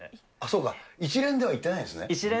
そうか、一連では、いってないですね。